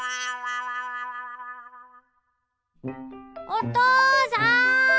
おとうさん！